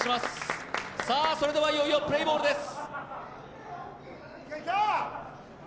それでは、いよいよプレーボールです。